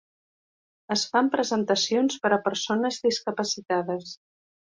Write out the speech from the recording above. Es fan presentacions per a persones discapacitades.